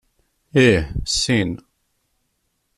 Ih, sin.